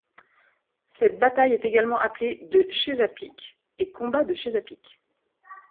Cette bataille est également appelée de Chesapeake et combat de Chesapeake.